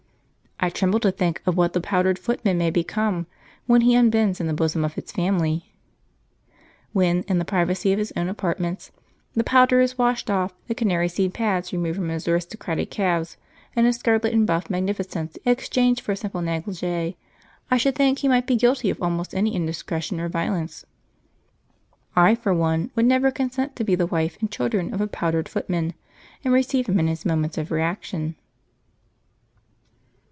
I tremble to think of what the powdered footman may become when he unbends in the bosom of the family. When, in the privacy of his own apartments, the powder is washed off, the canary seed pads removed from his aristocratic calves, and his scarlet and buff magnificence exchanged for a simple neglige, I should think he might be guilty of almost any indiscretion or violence. I for one would never consent to be the wife and children of a powdered footman, and receive him in his moments of reaction.